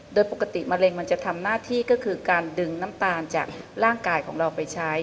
โดยปกติมะเร็งมันจะทำหน้าที่ก็คือการดึงน้ำตาลจากร่างกายของเราไปใช้